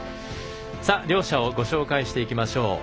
両者をご紹介してきましょう。